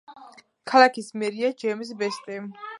ქალაქის მერია ჯეიმზ ბესტი.